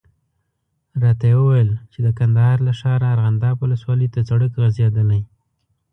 راته یې وویل چې د کندهار له ښاره ارغنداب ولسوالي ته سړک غځېدلی.